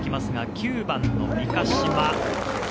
９番の三ヶ島。